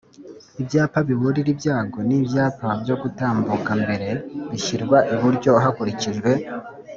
Ibyapa biburira ibyago n ibyapa byo gutambuka mbere bishyirwa iburyo hakurikijwe